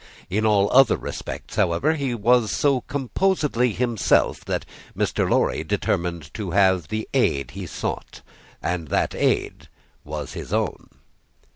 In all other respects, however, he was so composedly himself, that Mr. Lorry determined to have the aid he sought. And that aid was his own.